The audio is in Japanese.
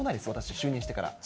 就任してから。